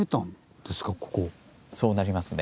そうなりますね。